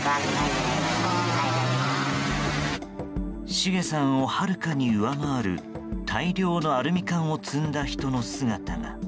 シゲさんをはるかに上回る大量のアルミ缶を積んだ人の姿が。